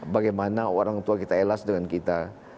bagaimana orang tua kita elas dengan kita